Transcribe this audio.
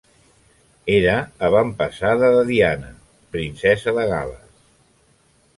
Era avantpassada de Diana, Princesa de Gal·les.